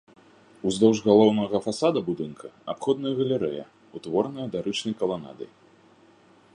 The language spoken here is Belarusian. Уздоўж галоўнага фасада будынка абходная галерэя, утвораная дарычнай каланадай.